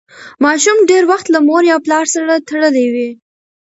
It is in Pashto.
ماشوم ډېر وخت له مور یا پلار سره تړلی وي.